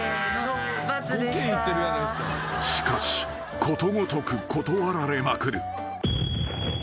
［しかしことごとく断られまくる］